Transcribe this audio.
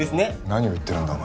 何を言ってるんだ？